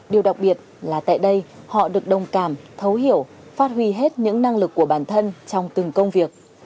điều đặc biệt là tại đây họ được đồng cảm thấu hiểu phát huy hết những năng lực của bản thân trong từng công việc